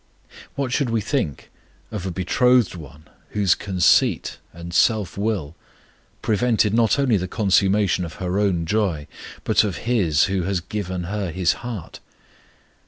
What should we think of a betrothed one whose conceit and self will prevented not only the consummation of her own joy, but of his who had given her his heart?